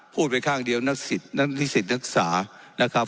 พูดไปข้างเดียวนักศิษย์นักศิษย์นักศาสตร์นะครับ